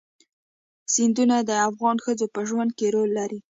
سیندونه د افغان ښځو په ژوند کې رول لري.